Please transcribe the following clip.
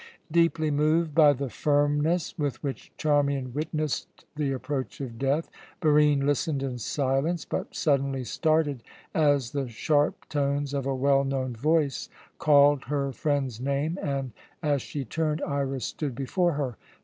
Deeply moved by the firmness with which Charmian witnessed the approach of death, Barine listened in silence, but suddenly started as the sharp tones of a well known voice called her friend's name and, as she turned, Iras stood before her.